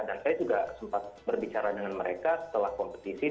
dan saya juga sempat berbicara dengan mereka setelah kompetisi itu